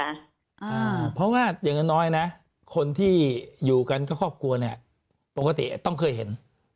เพราะว่าอย่างน้อยนะคนที่อยู่กันกับครอบครัวเนี่ยปกติต้องเคยเห็น